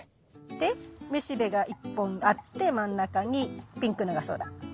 でめしべが１本あって真ん中にピンクのがそうだ。